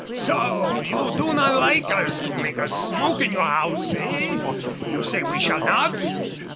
"So! you do not like us to make a smoke in your house eh? You say we shall not!